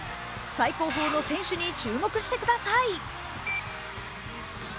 最後方の選手に注目してください。